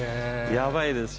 やばいですよ。